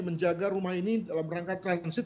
menjaga rumah ini dalam rangka transit